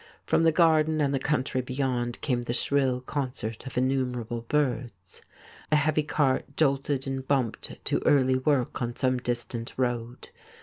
From the garden and the country beyond came the shrill concert of innumerable birds. A heavy cart jolted and bumped to early work on some distant road.